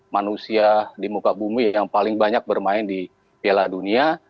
manusia di muka bumi yang paling banyak bermain di piala dunia